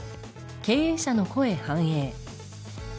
経営者の声反映。